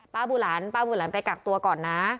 ป้าบูหลันไปกากตัวก่อนนะ